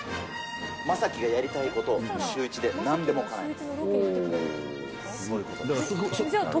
将暉がやりたいこと、シューイチでなんでもかなえます。